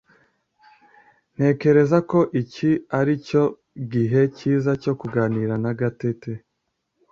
Ntekereza ko iki aricyo gihe cyiza cyo kuganira na Gatete